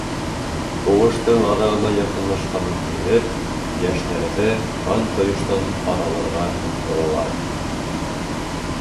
Һуғыш аҙағына яҡынлашҡанын һиҙеп, йәштәрҙе ҡан ҡойоштан араларға ынтылалар.